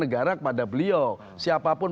negara kepada beliau siapapun